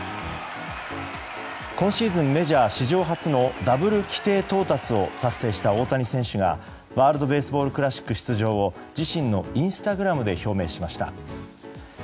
今シーズン、メジャー史上初のダブル規定到達を達成した大谷選手がワールド・ベースボール・クラシック出場を自身のインスタグラムで表明しました。